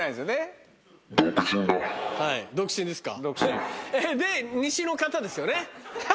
独身ですか。